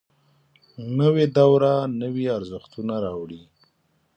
نوې دوره نوي ارزښتونه راوړي